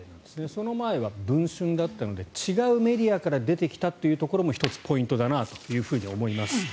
その前は「文春」だったので違うメディアから出てきたというところも１つポイントだなと思います。